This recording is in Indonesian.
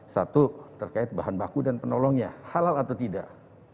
satu terkait bahan baku dan penolongnya halal atau tidak